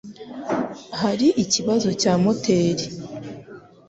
Hari ikibazo cya moteri